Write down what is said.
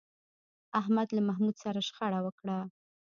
احمد له محمود سره شخړه وکړه